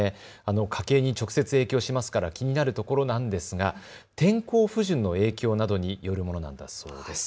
家計に直接影響しますから気になるところなんですが天候不順の影響などによるものなんだそうです。